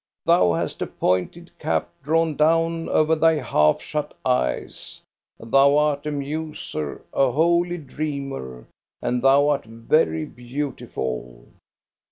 Thou hast a pointed cap drawn down over thy half shut eyes. Thou art a muser, a holy dreamer, and thou art very beautiful.